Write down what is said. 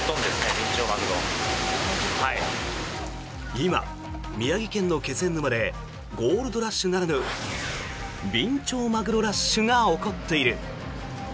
今、宮城県の気仙沼でゴールドラッシュならぬビンチョウマグロラッシュが起こっている。